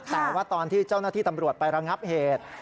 แต่ว่าตอนที่เจ้าหน้าที่ตำรวจไประงับเหตุ